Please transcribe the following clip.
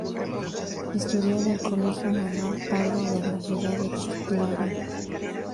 Estudió en el Colegio Manuel Pardo de la ciudad de Chiclayo.